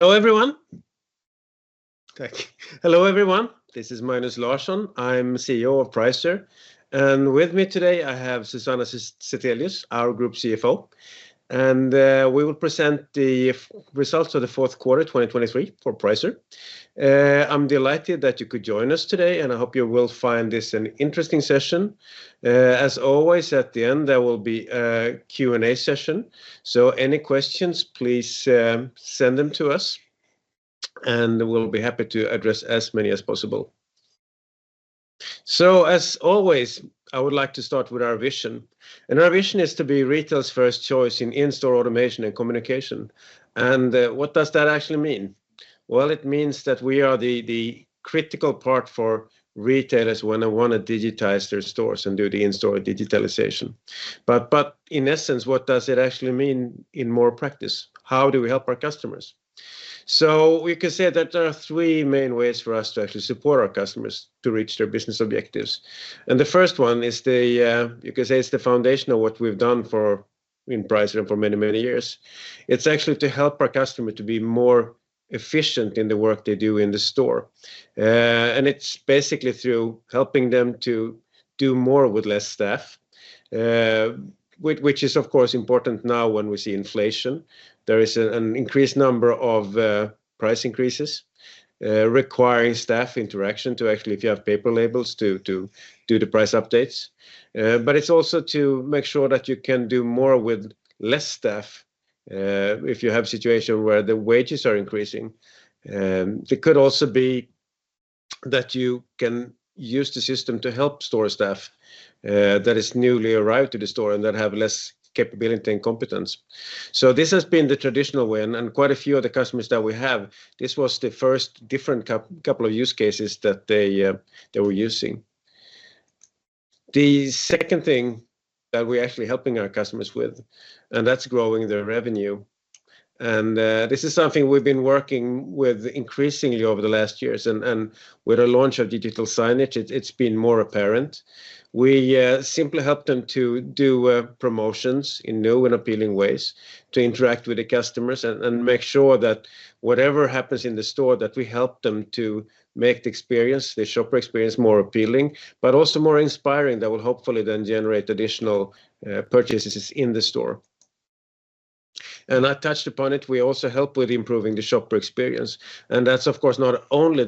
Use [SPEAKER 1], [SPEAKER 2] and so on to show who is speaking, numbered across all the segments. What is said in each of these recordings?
[SPEAKER 1] Hello, everyone. Hello, everyone, this is Magnus Larsson. I'm CEO of Pricer, and with me today, I have Susanna Zethelius, our group CFO, and we will present the results of the fourth quarter 2023 for Pricer. I'm delighted that you could join us today, and I hope you will find this an interesting session. As always, at the end, there will be a Q&A session, so any questions, please, send them to us, and we'll be happy to address as many as possible. So, as always, I would like to start with our vision, and our vision is to be retail's first choice in in-store automation and communication. And what does that actually mean? Well, it means that we are the, the critical part for retailers when they want to digitize their stores and do the in-store digitalization. But in essence, what does it actually mean in more practice? How do we help our customers? So we could say that there are three main ways for us to actually support our customers to reach their business objectives. And the first one is the, you could say it's the foundation of what we've done for in Pricer for many, many years. It's actually to help our customer to be more efficient in the work they do in the store. And it's basically through helping them to do more with less staff, which is, of course, important now when we see inflation. There is an increased number of price increases requiring staff interaction to actually, if you have paper labels, to do the price updates. But it's also to make sure that you can do more with less staff, if you have a situation where the wages are increasing. It could also be that you can use the system to help store staff that has newly arrived to the store and that have less capability and competence. So this has been the traditional way, and quite a few of the customers that we have, this was the first different couple of use cases that they they were using. The second thing that we're actually helping our customers with, and that's growing their revenue, and this is something we've been working with increasingly over the last years, and with the launch of digital signage, it's been more apparent. We simply help them to do promotions in new and appealing ways, to interact with the customers, and make sure that whatever happens in the store, that we help them to make the experience, the shopper experience, more appealing, but also more inspiring. That will hopefully then generate additional purchases in the store. And I touched upon it, we also help with improving the shopper experience, and that's, of course, not only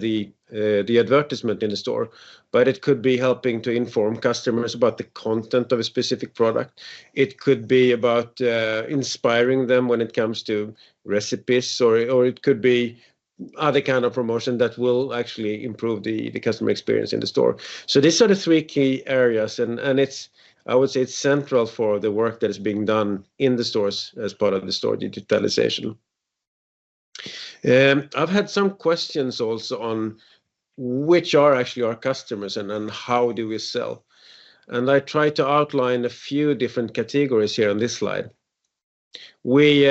[SPEAKER 1] the advertisement in the store, but it could be helping to inform customers about the content of a specific product. It could be about inspiring them when it comes to recipes, or it could be other kind of promotion that will actually improve the customer experience in the store. So these are the three key areas, and it's central for the work that is being done in the stores as part of the store digitalization. I've had some questions also on which are actually our customers and how do we sell? And I tried to outline a few different categories here on this slide. We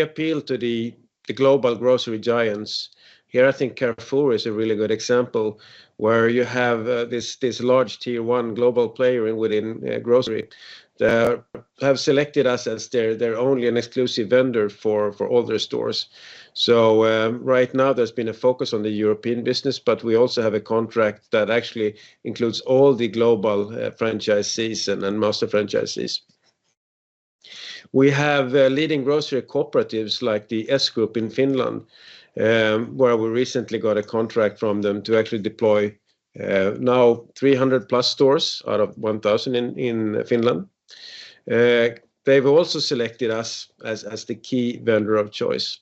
[SPEAKER 1] appeal to the global grocery giants. Here, I think Carrefour is a really good example, where you have this large tier-one global player within grocery. They have selected us as their only and exclusive vendor for all their stores. So, right now, there's been a focus on the European business, but we also have a contract that actually includes all the global franchises and master franchises. We have leading grocery cooperatives, like the S Group in Finland, where we recently got a contract from them to actually deploy now 300+ stores out of 1,000 in Finland. They've also selected us as the key vendor of choice.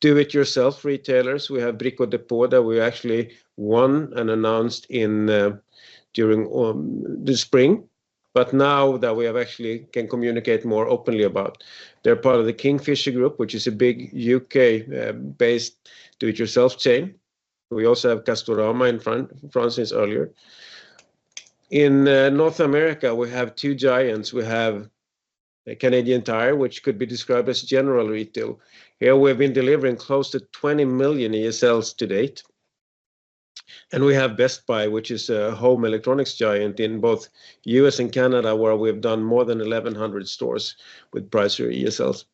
[SPEAKER 1] Do-it-yourself retailers, we have Brico Dépôt, that we actually won and announced during the spring. But now that we have actually can communicate more openly about. They're part of the Kingfisher Group, which is a big UK based do-it-yourself chain. We also have Castorama in France earlier. In North America, we have two giants. We have Canadian Tire, which could be described as general retail. Here, we've been delivering close to 20 million ESLs to date. And we have Best Buy, which is a home electronics giant in both U.S. and Canada, where we've done more than 1,100 stores with Pricer ESLs.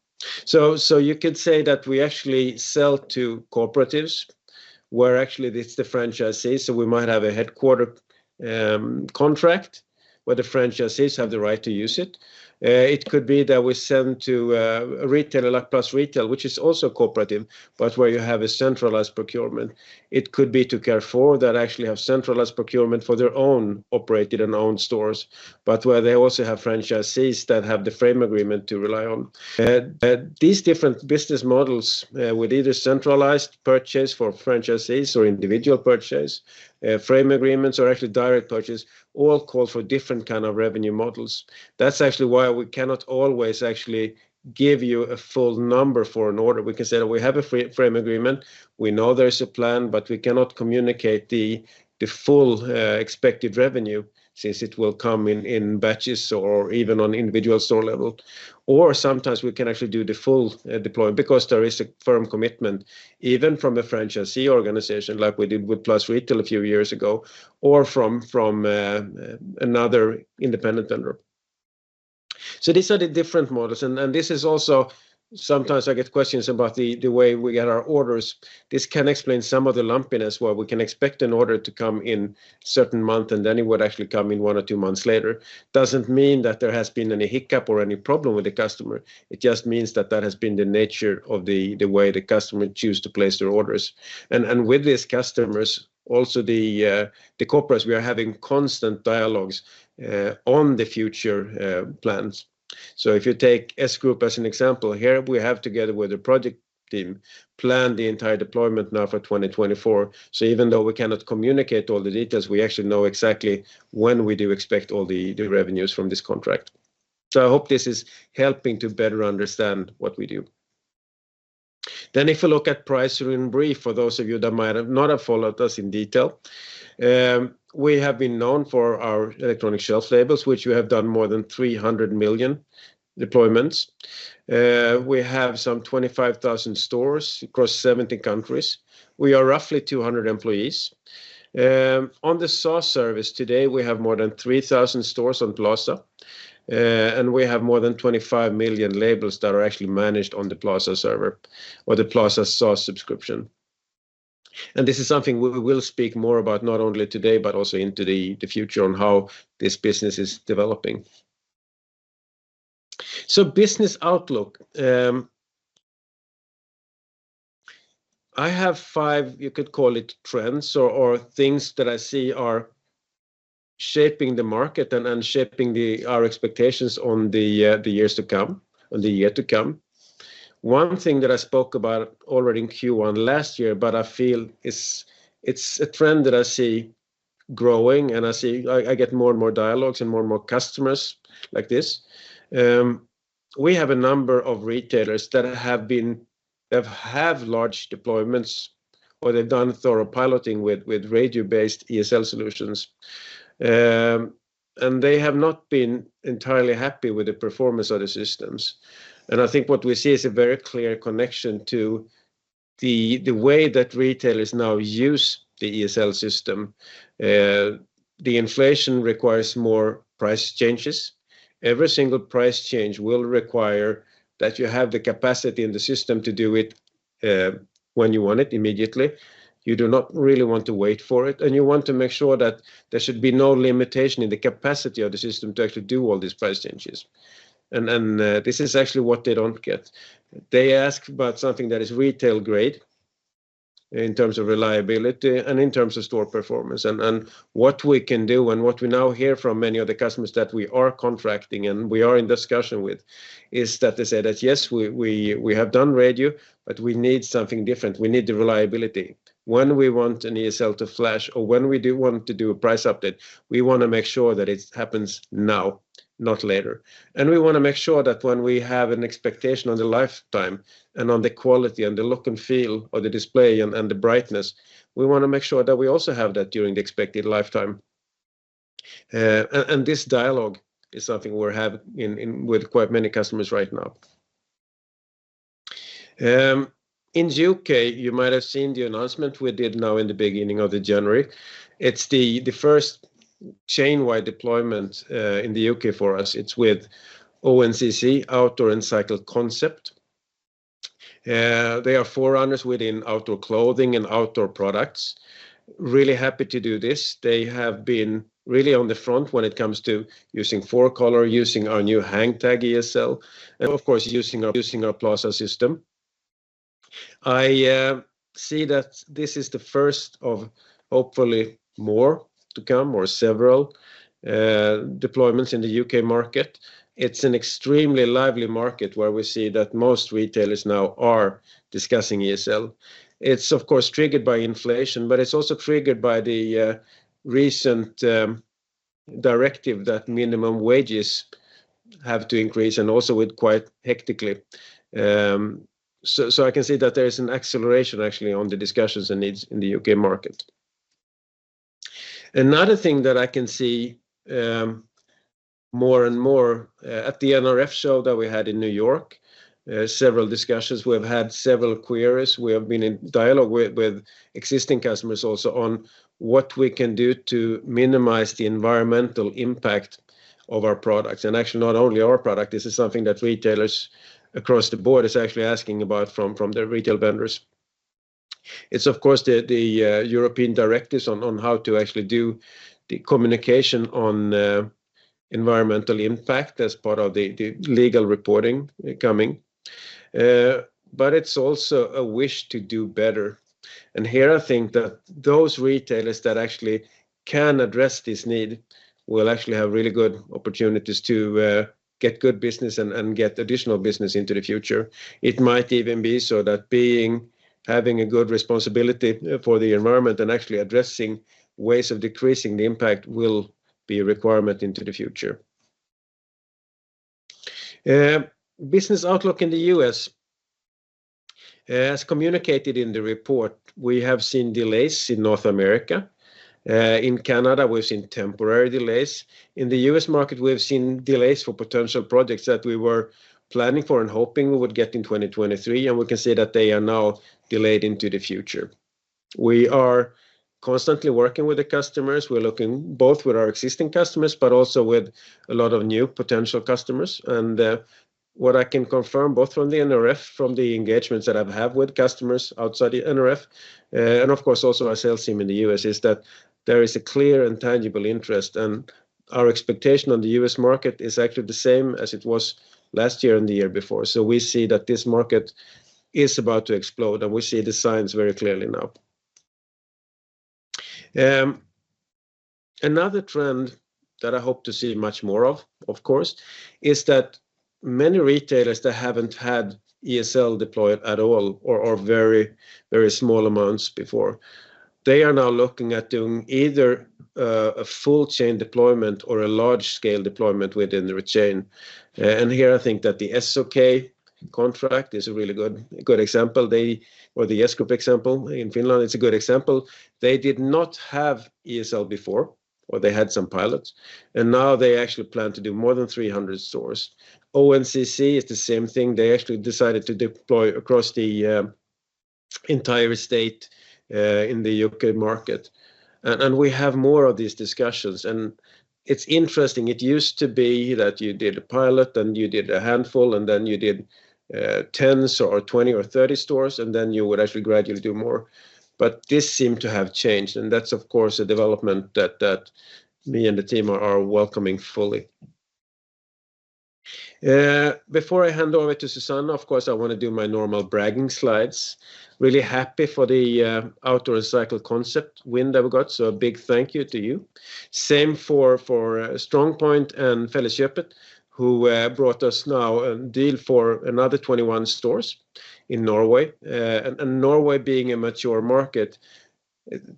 [SPEAKER 1] So you could say that we actually sell to cooperatives, where actually it's the franchisees, so we might have a headquarters contract, where the franchisees have the right to use it. It could be that we sell to a retailer like PLUS Retail, which is also cooperative, but where you have a centralized procurement. It could be to Carrefour, that actually have centralized procurement for their own operated and owned stores, but where they also have franchisees that have the frame agreement to rely on. These different business models, with either centralized purchase for franchisees or individual purchase, frame agreements or actually direct purchase, all call for different kind of revenue models. That's actually why we cannot always actually give you a full number for an order. We can say that we have a frame agreement. We know there is a plan, but we cannot communicate the full expected revenue, since it will come in batches or even on individual store level. Or sometimes we can actually do the full deployment because there is a firm commitment, even from a franchisee organization, like we did with PLUS Retail a few years ago, or from another independent vendor. So these are the different models, and this is also sometimes I get questions about the way we get our orders. This can explain some of the lumpiness, where we can expect an order to come in certain month, and then it would actually come in one or two months later. Doesn't mean that there has been any hiccup or any problem with the customer. It just means that that has been the nature of the way the customer choose to place their orders. And with these customers, also the corporates, we are having constant dialogues on the future plans. So if you take S Group as an example, here, we have, together with the project team, planned the entire deployment now for 2024. So even though we cannot communicate all the details, we actually know exactly when we do expect all the revenues from this contract. So I hope this is helping to better understand what we do. Then, if you look at Pricer in brief, for those of you that might not have followed us in detail, we have been known for our electronic shelf labels, which we have done more than 300 million deployments. We have some 25,000 stores across 70 countries. We are roughly 200 employees. On the SaaS service today, we have more than 3,000 stores on Plaza, and we have more than 25 million labels that are actually managed on the Plaza server or the Plaza SaaS subscription. And this is something we will speak more about, not only today, but also into the future, on how this business is developing. So business outlook. I have five, you could call it trends or things that I see are shaping the market and shaping our expectations on the years to come, on the year to come. One thing that I spoke about already in Q1 last year, but I feel it's a trend that I see growing, and I see. I get more and more dialogues and more and more customers like this. We have a number of retailers that have been, have large deployments, or they've done thorough piloting with radio-based ESL solutions. And they have not been entirely happy with the performance of the systems. I think what we see is a very clear connection to the way that retailers now use the ESL system. The inflation requires more price changes. Every single price change will require that you have the capacity in the system to do it, when you want it, immediately. You do not really want to wait for it, and you want to make sure that there should be no limitation in the capacity of the system to actually do all these price changes. And, this is actually what they don't get. They ask about something that is retail-grade in terms of reliability and in terms of store performance. And what we can do, and what we now hear from many of the customers that we are contracting and we are in discussion with, is that they say that, "Yes, we, we, we have done radio, but we need something different. We need the reliability. When we want an ESL to flash or when we do want to do a price update, we want to make sure that it happens now, not later. And we want to make sure that when we have an expectation on the lifetime and on the quality and the look and feel of the display and the brightness, we want to make sure that we also have that during the expected lifetime." And this dialogue is something we're having with quite many customers right now. In the UK, you might have seen the announcement we did now in the beginning of January. It's the first chain-wide deployment in the UK for us. It's with O&CC, Outdoor and Cycle Concepts. They are forerunners within outdoor clothing and outdoor products. Really happy to do this. They have been really on the front when it comes to using four-color, using our new hang tag ESL, and of course, using our Plaza system. I see that this is the first of hopefully more to come, or several deployments in the U.K. market. It's an extremely lively market, where we see that most retailers now are discussing ESL. It's, of course, triggered by inflation, but it's also triggered by the recent directive that minimum wages have to increase, and also with quite hectically. So I can see that there is an acceleration, actually, on the discussions and needs in the U.K. market. Another thing that I can see, more and more, at the NRF show that we had in New York, several discussions. We have had several queries. We have been in dialogue with existing customers also on what we can do to minimize the environmental impact of our products, and actually not only our product. This is something that retailers across the board is actually asking about from their retail vendors. It's, of course, the European directives on how to actually do the communication on environmental impact as part of the legal reporting coming. But it's also a wish to do better, and here, I think that those retailers that actually can address this need will actually have really good opportunities to get good business and get additional business into the future. It might even be so that being, having a good responsibility for the environment and actually addressing ways of decreasing the impact will be a requirement into the future. Business outlook in the U.S. As communicated in the report, we have seen delays in North America. In Canada, we've seen temporary delays. In the U.S. market, we have seen delays for potential projects that we were planning for and hoping we would get in 2023, and we can see that they are now delayed into the future... We are constantly working with the customers. We're looking both with our existing customers, but also with a lot of new potential customers. And what I can confirm, both from the NRF, from the engagements that I've had with customers outside the NRF, and of course, also our sales team in the U.S., is that there is a clear and tangible interest, and our expectation on the U.S. market is actually the same as it was last year and the year before. So we see that this market is about to explode, and we see the signs very clearly now. Another trend that I hope to see much more of, of course, is that many retailers that haven't had ESL deployed at all or, or very, very small amounts before, they are now looking at doing either a full chain deployment or a large-scale deployment within their chain. And here, I think that the S Group contract is a really good, good example. Or the S Group example in Finland is a good example. They did not have ESL before, or they had some pilots, and now they actually plan to do more than 300 stores. O&CC is the same thing. They actually decided to deploy across the entire estate in the U.K. market. And we have more of these discussions, and it's interesting. It used to be that you did a pilot, and you did a handful, and then you did tens or 20 or 30 stores, and then you would actually gradually do more. But this seemed to have changed, and that's, of course, a development that me and the team are welcoming fully. Before I hand over to Susanna, of course, I want to do my normal bragging slides. Really happy for the Outdoor and Cycle Concepts win that we got, so a big thank you to you. Same for StrongPoint and Felleskjøpet, who brought us now a deal for another 21 stores in Norway. And Norway being a mature market,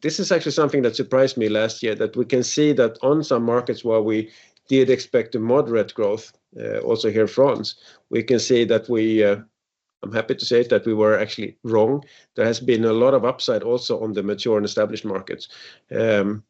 [SPEAKER 1] this is actually something that surprised me last year, that we can see that on some markets where we did expect a moderate growth, also here in France, we can see that we, I'm happy to say that we were actually wrong. There has been a lot of upside also on the mature and established markets. Brico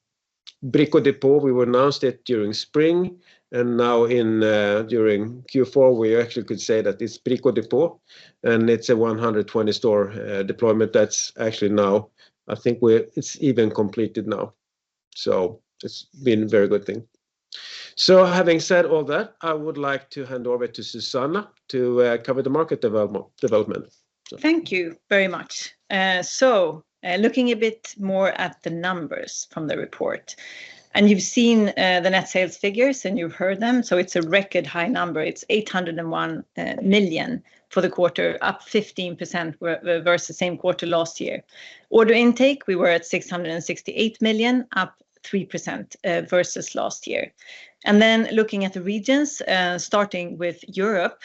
[SPEAKER 1] Dépôt, we were announced it during spring, and now in, during Q4, we actually could say that it's Brico Dépôt, and it's a 120-store deployment. That's actually now. I think it's even completed now. So it's been a very good thing. So having said all that, I would like to hand over to Susanna to cover the market development.
[SPEAKER 2] Thank you very much. So looking a bit more at the numbers from the report, and you've seen the net sales figures, and you've heard them, so it's a record high number. It's 801 million for the quarter, up 15% versus the same quarter last year. Order intake, we were at 668 million, up 3% versus last year. And then looking at the regions, starting with Europe,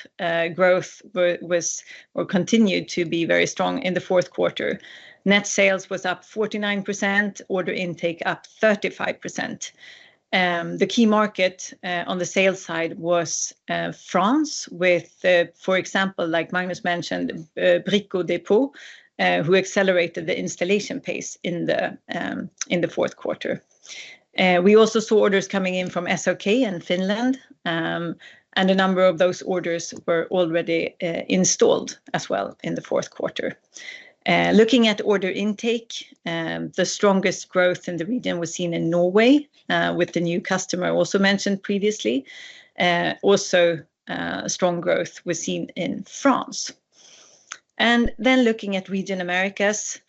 [SPEAKER 2] growth was or continued to be very strong in the fourth quarter. Net sales was up 49%, order intake up 35%. The key market on the sales side was France, with, for example, like Magnus mentioned, Brico Dépôt who accelerated the installation pace in the fourth quarter. We also saw orders coming in from SOK in Finland, and a number of those orders were already installed as well in the fourth quarter. Looking at order intake, the strongest growth in the region was seen in Norway, with the new customer I also mentioned previously. Also, strong growth was seen in France. And then looking at region Americas,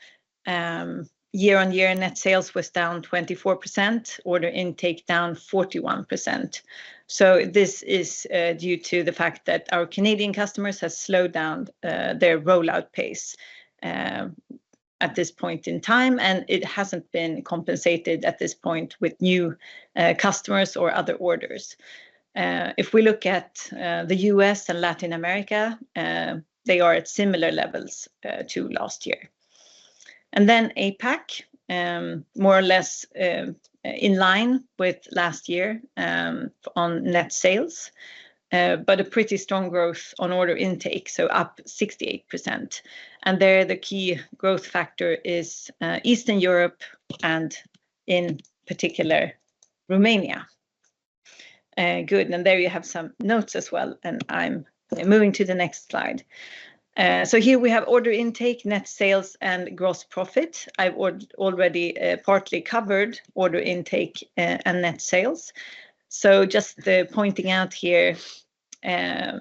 [SPEAKER 2] year-on-year net sales was down 24%, order intake down 41%. So this is due to the fact that our Canadian customers have slowed down their rollout pace at this point in time, and it hasn't been compensated at this point with new customers or other orders. If we look at the U.S. and Latin America, they are at similar levels to last year. And then APAC, more or less in line with last year on net sales, but a pretty strong growth on order intake, so up 68%. And there, the key growth factor is Eastern Europe, and in particular, Romania. Good, and there you have some notes as well, and I'm moving to the next slide. So here we have order intake, net sales, and gross profit. I've already partly covered order intake and net sales. So just pointing out here,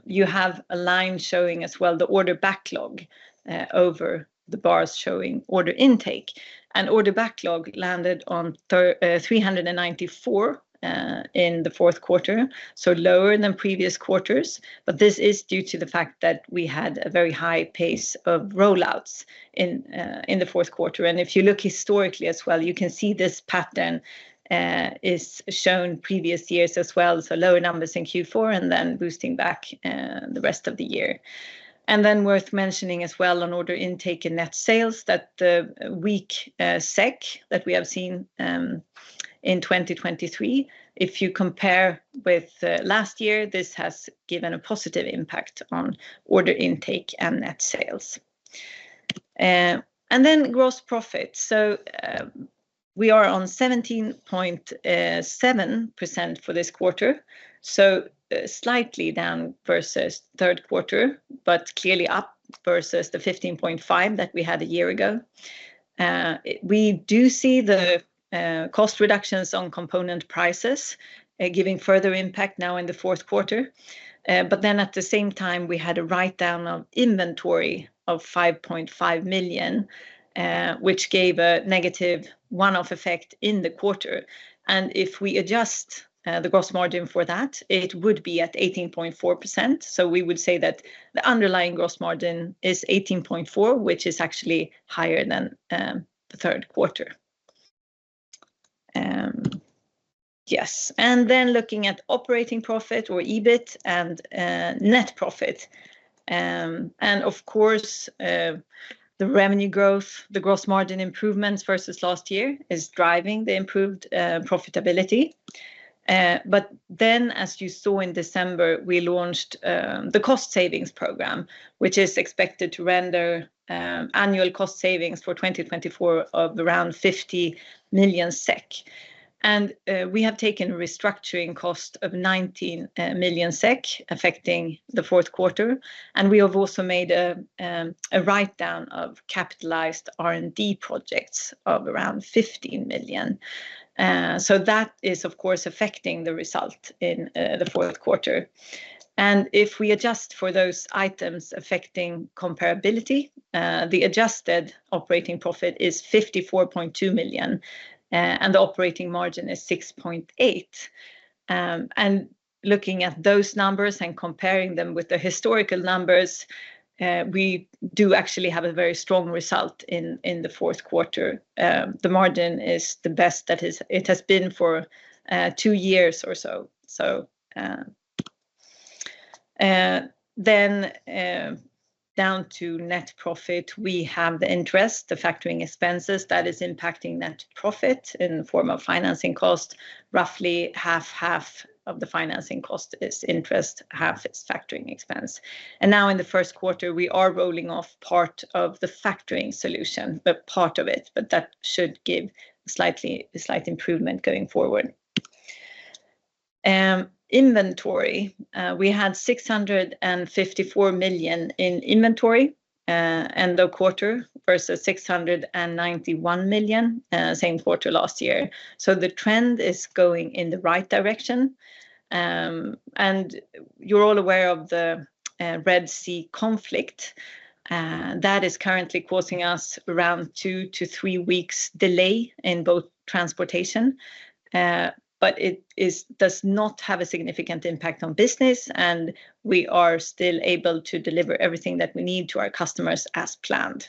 [SPEAKER 2] you have a line showing as well the order backlog over the bars showing order intake. Order backlog landed on 394 in the fourth quarter, so lower than previous quarters, but this is due to the fact that we had a very high pace of rollouts in the fourth quarter. If you look historically as well, you can see this pattern is shown previous years as well, so lower numbers in Q4 and then boosting back the rest of the year. Then worth mentioning as well on order intake and net sales, that the weak SEK that we have seen in 2023, if you compare with last year, this has given a positive impact on order intake and net sales. Then gross profit. So... We are on 17.7% for this quarter, so slightly down versus third quarter, but clearly up versus the 15.5 that we had a year ago. We do see the cost reductions on component prices giving further impact now in the fourth quarter. But then at the same time, we had a write-down of inventory of 5.5 million, which gave a negative one-off effect in the quarter. And if we adjust the gross margin for that, it would be at 18.4%. So we would say that the underlying gross margin is 18.4, which is actually higher than the third quarter. Yes, and then looking at operating profit or EBIT and net profit. And of course, the revenue growth, the gross margin improvements versus last year is driving the improved profitability. But then, as you saw in December, we launched the cost savings program, which is expected to render annual cost savings for 2024 of around 50 million SEK. And we have taken restructuring cost of 19 million SEK, affecting the fourth quarter, and we have also made a write-down of capitalized R&D projects of around 15 million. So that is, of course, affecting the result in the fourth quarter. And if we adjust for those items affecting comparability, the adjusted operating profit is 54.2 million, and the operating margin is 6.8%. Looking at those numbers and comparing them with the historical numbers, we do actually have a very strong result in the fourth quarter. The margin is the best it has been for two years or so. Then, down to net profit, we have the interest, the factoring expenses that is impacting net profit in the form of financing cost. Roughly half-half of the financing cost is interest, half is factoring expense. And now in the first quarter, we are rolling off part of the factoring solution, but part of it, but that should give a slight improvement going forward. Inventory, we had 654 million in inventory end of quarter, versus 691 million same quarter last year. The trend is going in the right direction. And you're all aware of the Red Sea conflict that is currently causing us around 2-3 weeks delay in both transportation. But it does not have a significant impact on business, and we are still able to deliver everything that we need to our customers as planned.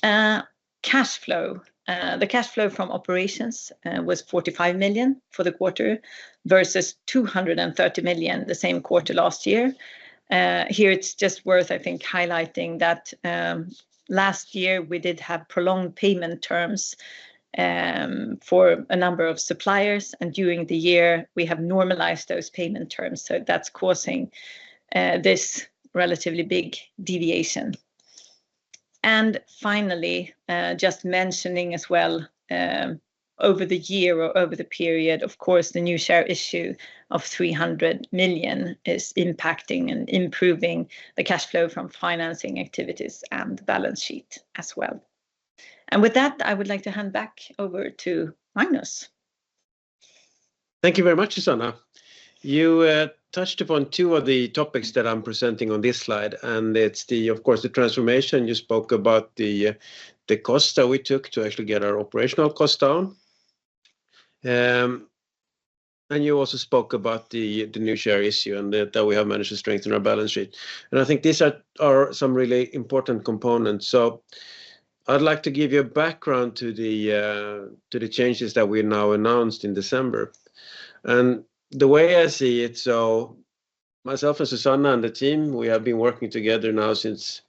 [SPEAKER 2] Cash flow. The cash flow from operations was 45 million for the quarter, versus 230 million, the same quarter last year. Here, it's just worth, I think, highlighting that last year, we did have prolonged payment terms for a number of suppliers, and during the year, we have normalized those payment terms, so that's causing this relatively big deviation. Finally, just mentioning as well, over the year or over the period, of course, the new share issue of 300 million is impacting and improving the cash flow from financing activities and the balance sheet as well. And with that, I would like to hand back over to Magnus.
[SPEAKER 1] Thank you very much, Susanna. You touched upon two of the topics that I'm presenting on this slide, and it's, of course, the transformation. You spoke about the cost that we took to actually get our operational cost down. And you also spoke about the new share issue and that we have managed to strengthen our balance sheet. I think these are some really important components. So I'd like to give you a background to the changes that we now announced in December. The way I see it, myself and Susanna and the team, we have been working together now since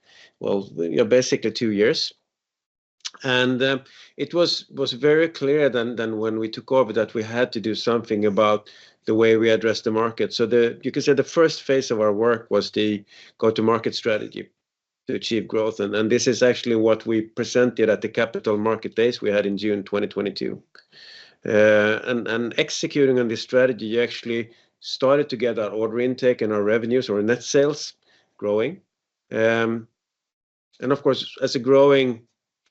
[SPEAKER 1] basically two years. It was very clear then when we took over, that we had to do something about the way we address the market. So you can say the first phase of our work was the go-to-market strategy to achieve growth, and this is actually what we presented at the Capital Markets Day we had in June 2022. And executing on this strategy actually started to get our order intake and our revenues or net sales growing. And of course, as a growing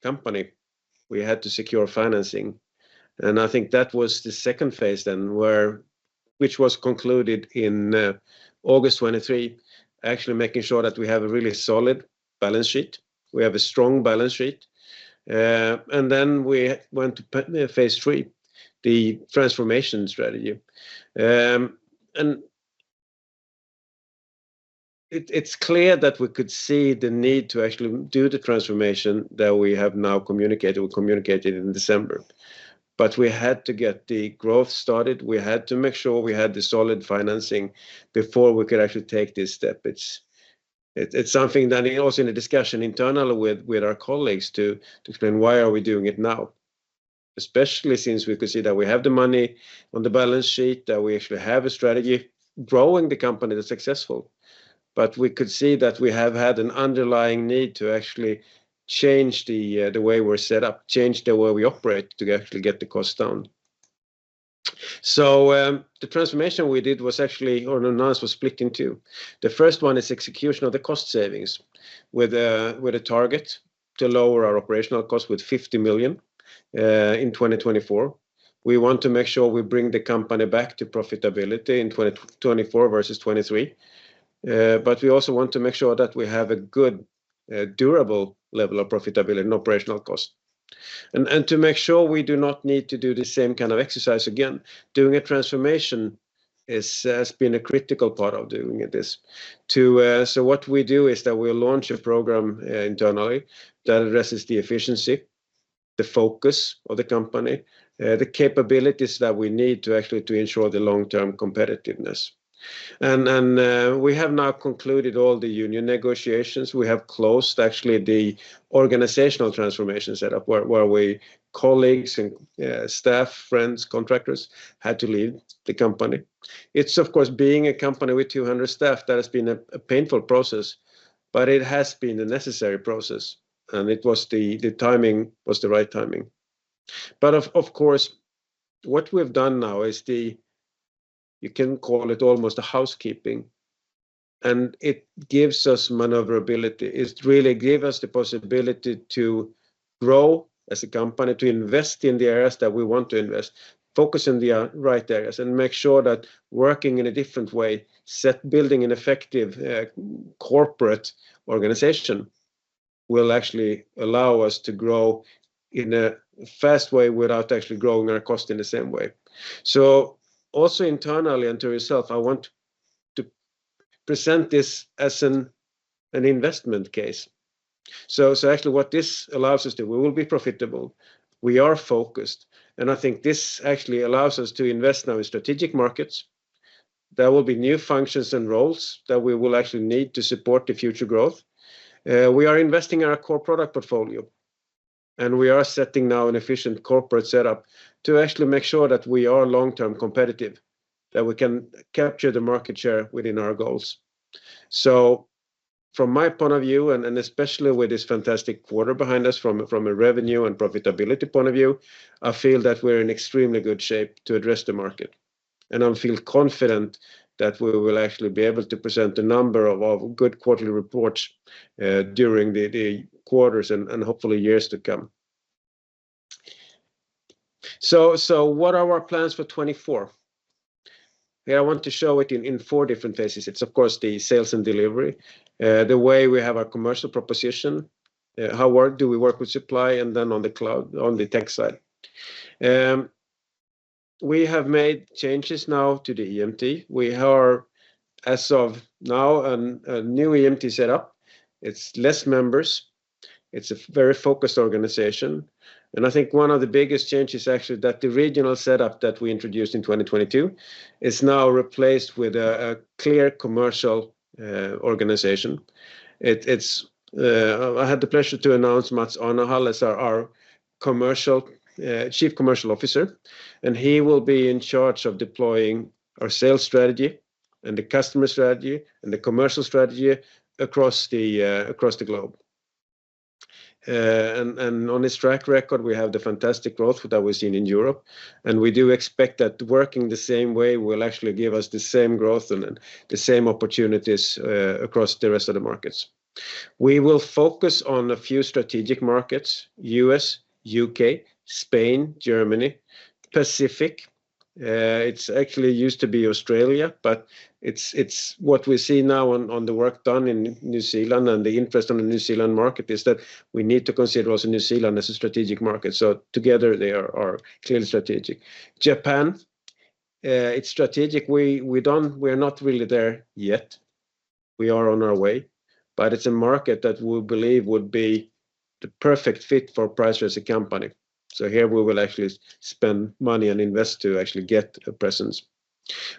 [SPEAKER 1] company, we had to secure financing, and I think that was the second phase then, which was concluded in August 2023, actually making sure that we have a really solid balance sheet. We have a strong balance sheet, and then we went to phase three, the transformation strategy. And it's clear that we could see the need to actually do the transformation that we have now communicated; we communicated in December, but we had to get the growth started. We had to make sure we had the solid financing before we could actually take this step. It's something that also in a discussion internally with our colleagues to explain why are we doing it now? Especially since we could see that we have the money on the balance sheet, that we actually have a strategy growing the company that's successful. But we could see that we have had an underlying need to actually change the way we're set up, change the way we operate to actually get the cost down. So, the transformation we did was actually, or announced, was split in two. The first one is execution of the cost savings, with a target to lower our operational cost with 50 million in 2024. We want to make sure we bring the company back to profitability in 2024 versus 2023. But we also want to make sure that we have a good, durable level of profitability and operational cost. And, and to make sure we do not need to do the same kind of exercise again, doing a transformation is, has been a critical part of doing this. To, so what we do is that we launch a program, internally that addresses the efficiency, the focus of the company, the capabilities that we need to actually to ensure the long-term competitiveness. And, and, we have now concluded all the union negotiations. We have closed, actually, the organizational transformation setup, where, where we colleagues and, staff, friends, contractors, had to leave the company. It's, of course, being a company with 200 staff, that has been a painful process, but it has been a necessary process, and it was the timing was the right timing. But of course, what we've done now is the, you can call it almost a housekeeping, and it gives us maneuverability. It really give us the possibility to grow as a company, to invest in the areas that we want to invest, focus in the right areas, and make sure that working in a different way, set building an effective corporate organization, will actually allow us to grow in a fast way without actually growing our cost in the same way. So also internally and to yourself, I want to present this as an investment case. So actually what this allows us to, we will be profitable. We are focused, and I think this actually allows us to invest now in strategic markets. There will be new functions and roles that we will actually need to support the future growth. We are investing in our core product portfolio, and we are setting now an efficient corporate setup to actually make sure that we are long-term competitive, that we can capture the market share within our goals. So from my point of view, and, and especially with this fantastic quarter behind us, from, from a revenue and profitability point of view, I feel that we're in extremely good shape to address the market. And I feel confident that we will actually be able to present a number of, of good quarterly reports, during the, the quarters and, and hopefully years to come. So, so what are our plans for 2024? I want to show it in four different phases. It's of course the sales and delivery, the way we have our commercial proposition, how we work with supply, and then on the cloud, on the tech side. We have made changes now to the EMT. We are, as of now, a new EMT setup. It's less members. It's a very focused organization, and I think one of the biggest changes is actually that the regional setup that we introduced in 2022 is now replaced with a clear commercial organization. It's. I had the pleasure to announce Mats Arnehall is our Chief Commercial Officer, and he will be in charge of deploying our sales strategy and the customer strategy and the commercial strategy across the globe. On his track record, we have the fantastic growth that we've seen in Europe, and we do expect that working the same way will actually give us the same growth and the same opportunities across the rest of the markets. We will focus on a few strategic markets: U.S., U.K., Spain, Germany, Pacific. It's actually used to be Australia, but it's what we see now on the work done in New Zealand and the interest in the New Zealand market is that we need to consider also New Zealand as a strategic market. So together they are clearly strategic. Japan, it's strategic. We don't... We're not really there yet. We are on our way, but it's a market that we believe would be the perfect fit for Pricer as a company. So here we will actually spend money and invest to actually get a presence.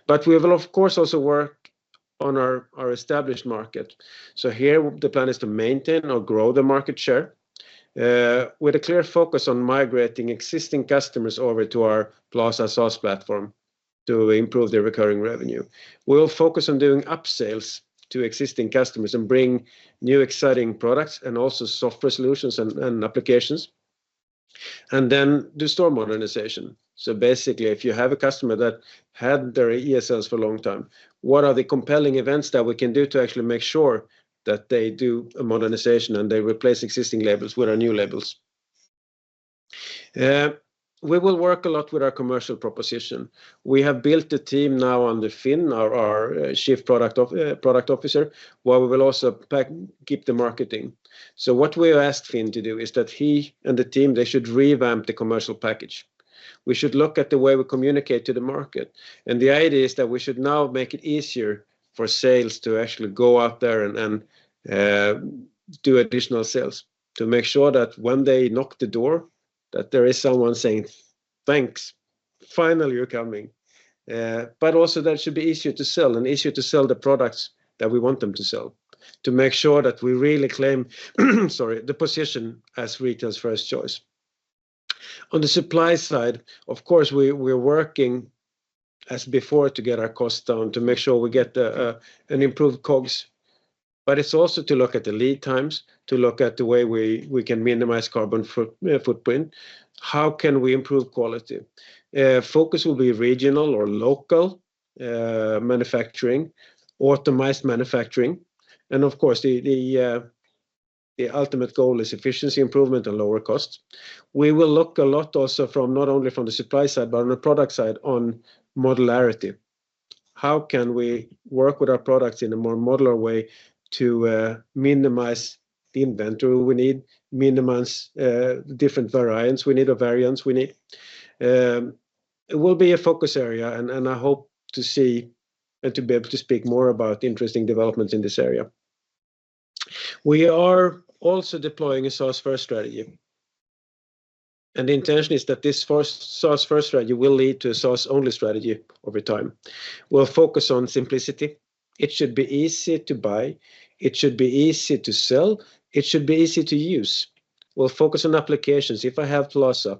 [SPEAKER 1] But we will, of course, also work on our, our established market. So here, the plan is to maintain or grow the market share with a clear focus on migrating existing customers over to our Plaza SaaS platform to improve their recurring revenue. We'll focus on doing up-sales to existing customers and bring new, exciting products and also software solutions and, and applications, and then do store modernization. So basically, if you have a customer that had their ESL for a long time, what are the compelling events that we can do to actually make sure that they do a modernization and they replace existing labels with our new labels? We will work a lot with our commercial proposition. We have built a team now under Finn, our Chief Product Officer, while we will also keep the marketing. So what we asked Finn to do is that he and the team, they should revamp the commercial package. We should look at the way we communicate to the market, and the idea is that we should now make it easier for sales to actually go out there and do additional sales to make sure that when they knock the door, that there is someone saying, "Thanks."... finally, you're coming. But also that it should be easier to sell, and easier to sell the products that we want them to sell, to make sure that we really claim, sorry, the position as retail's first choice. On the supply side, of course, we're working as before to get our costs down, to make sure we get an improved COGS. But it's also to look at the lead times, to look at the way we can minimize carbon footprint. How can we improve quality? Focus will be regional or local manufacturing, optimized manufacturing, and of course, the ultimate goal is efficiency improvement and lower costs. We will look a lot also from, not only from the supply side, but on the product side, on modularity. How can we work with our products in a more modular way to minimize the inventory we need, minimize different variants we need, or variance we need? It will be a focus area, and I hope to see and to be able to speak more about interesting developments in this area. We are also deploying a source-first strategy, and the intention is that this source-first strategy will lead to a source-only strategy over time. We'll focus on simplicity. It should be easy to buy, it should be easy to sell, it should be easy to use. We'll focus on applications. If I have Claes Wenthzel,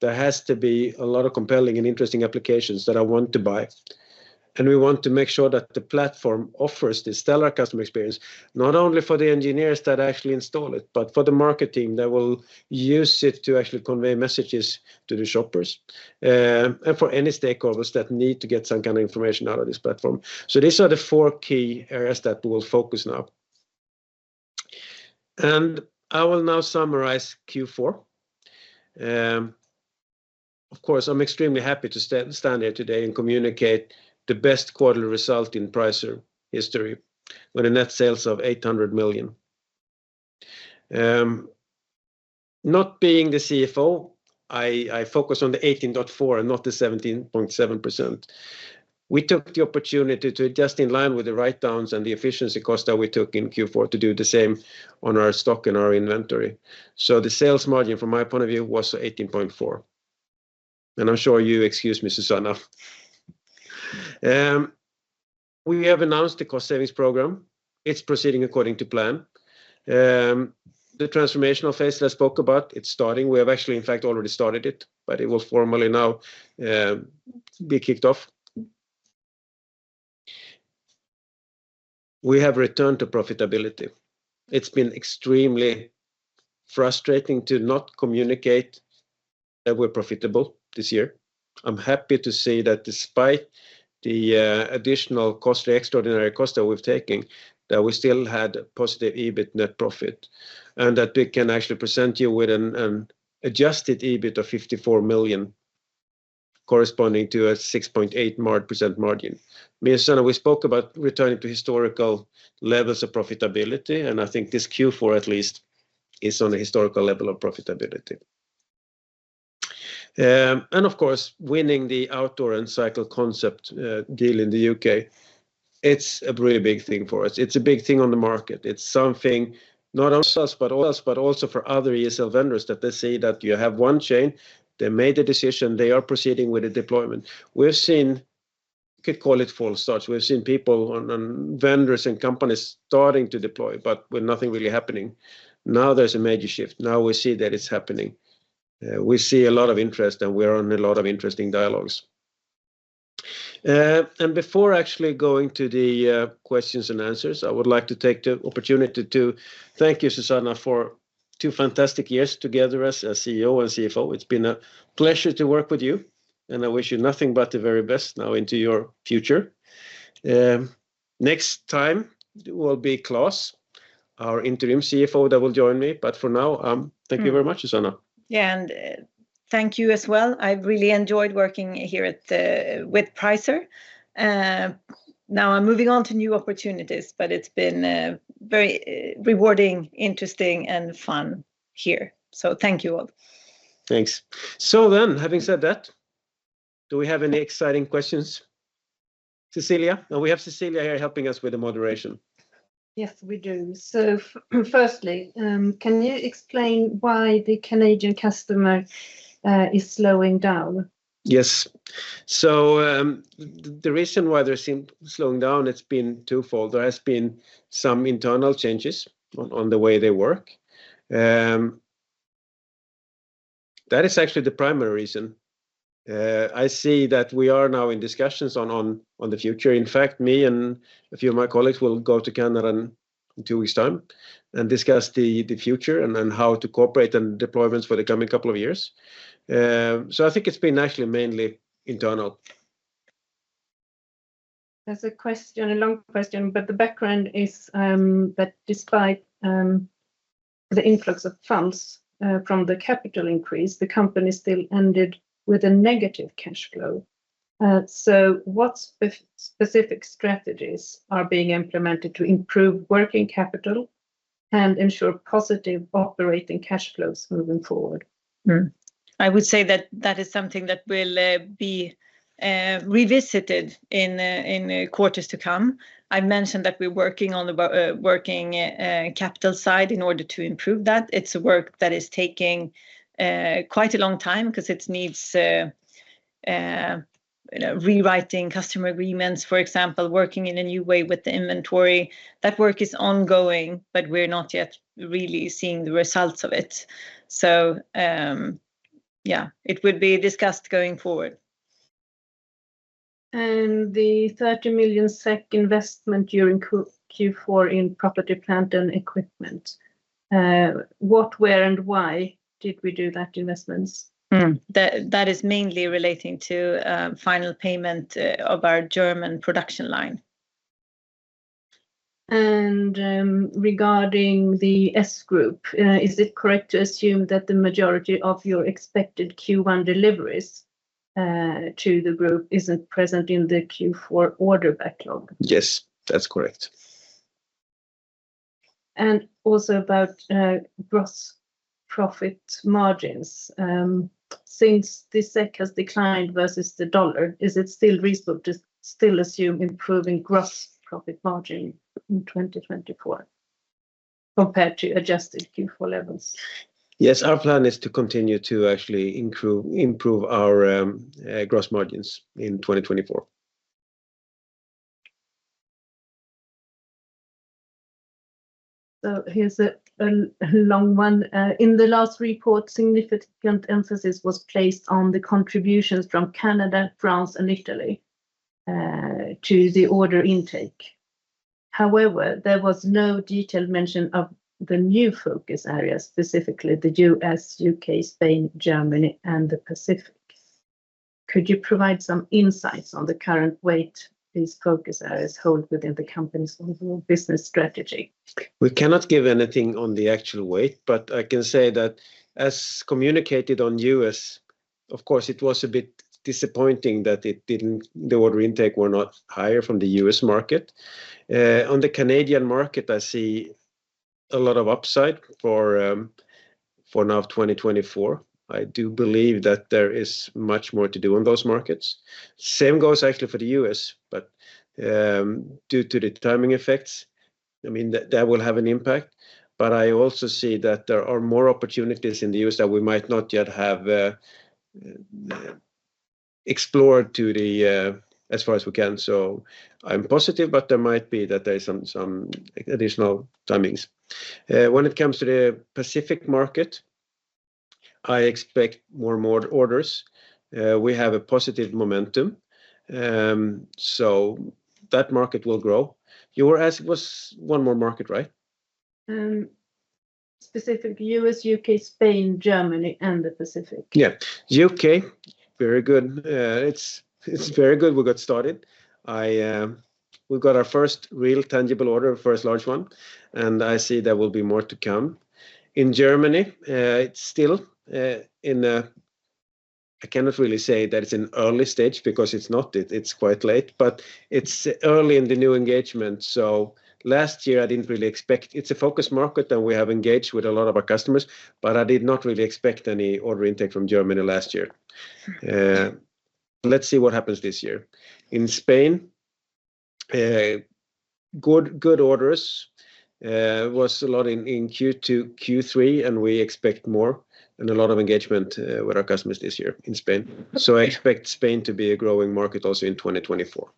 [SPEAKER 1] there has to be a lot of compelling and interesting applications that I want to buy, and we want to make sure that the platform offers the stellar customer experience, not only for the engineers that actually install it, but for the marketing that will use it to actually convey messages to the shoppers, and for any stakeholders that need to get some kind of information out of this platform. So these are the four key areas that we will focus now. And I will now summarize Q4. Of course, I'm extremely happy to stand here today and communicate the best quarterly result in Pricer history, with net sales of 800 million. Not being the CFO, I focus on the 18.4 and not the 17.7%. We took the opportunity to adjust in line with the write-downs and the efficiency costs that we took in Q4 to do the same on our stock and our inventory. So the sales margin, from my point of view, was 18.4, and I'm sure you excuse me, Susanna. We have announced the cost savings program. It's proceeding according to plan. The transformational phase that I spoke about, it's starting. We have actually, in fact, already started it, but it will formally now be kicked off. We have returned to profitability. It's been extremely frustrating to not communicate that we're profitable this year. I'm happy to say that despite the additional cost, the extraordinary cost that we've taken, that we still had positive EBIT net profit, and that we can actually present you with an adjusted EBIT of 54 million, corresponding to a 6.8% margin. Me and Susanna, we spoke about returning to historical levels of profitability, and I think this Q4 at least, is on a historical level of profitability. And of course, winning the Outdoor and Cycle Concepts deal in the UK, it's a really big thing for us. It's a big thing on the market. It's something not only us, but also for other ESL vendors, that they see that you have one chain, they made a decision, they are proceeding with the deployment. We've seen, you could call it false starts. We've seen people and vendors and companies starting to deploy, but with nothing really happening. Now, there's a major shift. Now, we see that it's happening. We see a lot of interest, and we're on a lot of interesting dialogues. Before actually going to the questions and answers, I would like to take the opportunity to thank you, Susanna, for two fantastic years together as CEO and CFO. It's been a pleasure to work with you, and I wish you nothing but the very best now into your future. Next time, it will be Claes, our interim CFO, that will join me, but for now, thank you very much, Susanna.
[SPEAKER 2] Yeah, and thank you as well. I've really enjoyed working here with Pricer. Now I'm moving on to new opportunities, but it's been very rewarding, interesting, and fun here. So thank you, all.
[SPEAKER 1] Thanks. So then, having said that, do we have any exciting questions? Cecilia? And we have Cecilia here helping us with the moderation.
[SPEAKER 3] Yes, we do. So firstly, can you explain why the Canadian customer is slowing down?
[SPEAKER 1] Yes. The reason why they're slowing down, it's been twofold. There has been some internal changes on the way they work. That is actually the primary reason. I see that we are now in discussions on the future. In fact, me and a few of my colleagues will go to Canada in two weeks' time and discuss the future and then how to cooperate on deployments for the coming couple of years. So I think it's been actually mainly internal.
[SPEAKER 3] There's a question, a long question, but the background is, that despite the influx of funds from the capital increase, the company still ended with a negative cash flow. So what specific strategies are being implemented to improve working capital and ensure positive operating cash flows moving forward?
[SPEAKER 2] I would say that that is something that will be revisited in the quarters to come. I mentioned that we're working on the working capital side in order to improve that. It's a work that is taking quite a long time 'cause it needs you know, rewriting customer agreements, for example, working in a new way with the inventory. That work is ongoing, but we're not yet really seeing the results of it. So, yeah, it would be discussed going forward.
[SPEAKER 3] The 30 million SEK investment during Q4 in property, plant, and equipment, what, where, and why did we do that investments?
[SPEAKER 2] That is mainly relating to final payment of our German production line.
[SPEAKER 3] Regarding the S Group, is it correct to assume that the majority of your expected Q1 deliveries to the group isn't present in the Q4 order backlog?
[SPEAKER 1] Yes, that's correct.
[SPEAKER 3] And also about gross profit margins. Since the SEK has declined versus the dollar, is it still reasonable to still assume improving gross profit margin in 2024 compared to adjusted Q4 levels?
[SPEAKER 1] Yes, our plan is to continue to actually improve our gross margins in 2024.
[SPEAKER 3] So here's a long one. "In the last report, significant emphasis was placed on the contributions from Canada, France, and Italy, to the order intake. However, there was no detailed mention of the new focus areas, specifically the U.S., U.K., Spain, Germany, and the Pacific. Could you provide some insights on the current weight these focus areas hold within the company's overall business strategy?
[SPEAKER 1] We cannot give anything on the actual weight, but I can say that as communicated on U.S., of course, it was a bit disappointing that it didn't, the order intake were not higher from the U.S. market. On the Canadian market, I see a lot of upside for now of 2024. I do believe that there is much more to do on those markets. Same goes actually for the U.S., but due to the timing effects, I mean, that will have an impact. But I also see that there are more opportunities in the U.S. that we might not yet have explored to the as far as we can, so I'm positive, but there might be that there is some additional timings. When it comes to the Pacific market, I expect more and more orders. We have a positive momentum, so that market will grow. You were asking was one more market, right?
[SPEAKER 3] Specific U.S., U.K., Spain, Germany, and the Pacific.
[SPEAKER 1] Yeah. UK, very good. It's very good we got started. We've got our first real tangible order, first large one, and I see there will be more to come. In Germany, it's still in. I cannot really say that it's an early stage because it's not, it's quite late, but it's early in the new engagement. So last year I didn't really expect. It's a focus market, and we have engaged with a lot of our customers, but I did not really expect any order intake from Germany last year. Let's see what happens this year. In Spain, good, good orders. Was a lot in Q2, Q3, and we expect more, and a lot of engagement with our customers this year in Spain. So I expect Spain to be a growing market also in 2024.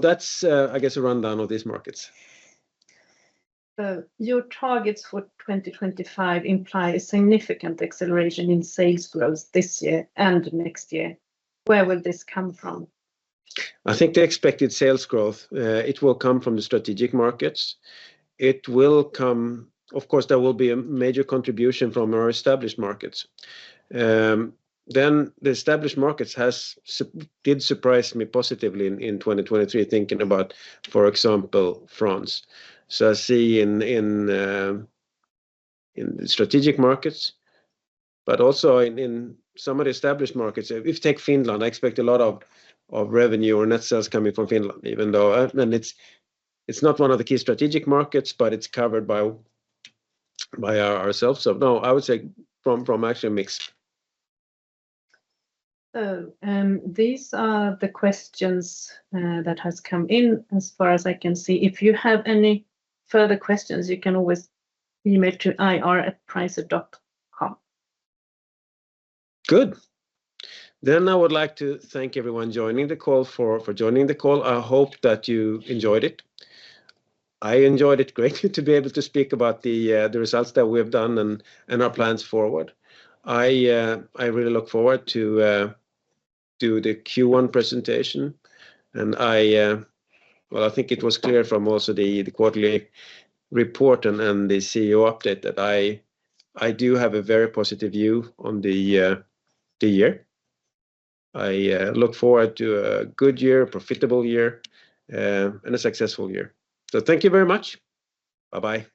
[SPEAKER 1] That's, I guess, a rundown of these markets.
[SPEAKER 3] Your targets for 2025 imply significant acceleration in sales growth this year and next year. Where will this come from?
[SPEAKER 1] I think the expected sales growth it will come from the strategic markets. It will come... Of course, there will be a major contribution from our established markets. Then the established markets has did surprise me positively in 2023, thinking about, for example, France. So I see in the strategic markets, but also in some of the established markets. If take Finland, I expect a lot of revenue or net sales coming from Finland, even though and it's not one of the key strategic markets, but it's covered by ourselves. So no, I would say from actually a mix.
[SPEAKER 3] These are the questions that has come in as far as I can see. If you have any further questions, you can always email to ir@pricer.com.
[SPEAKER 1] Good. Then I would like to thank everyone joining the call for joining the call. I hope that you enjoyed it. I enjoyed it greatly to be able to speak about the results that we have done and our plans forward. I, I really look forward to do the Q1 presentation, and I... Well, I think it was clear from also the quarterly report and then the CEO update that I, I do have a very positive view on the year. I look forward to a good year, a profitable year, and a successful year. So thank you very much. Bye-bye.